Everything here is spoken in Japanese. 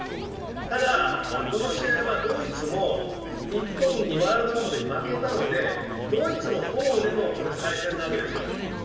ただこの試合はドイツもワールドカップで負けたので、ドイツのホームでの再戦なわけですよ。